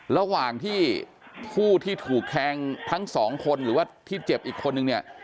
ระหว่างที่ผู้ที่ถูกแทงทั้งสองคนหรือว่าที่เจ็บอีกคนนึงเนี่ย